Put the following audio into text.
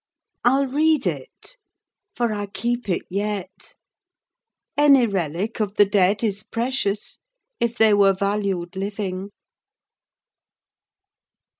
I'll read it: for I keep it yet. Any relic of the dead is precious, if they were valued living.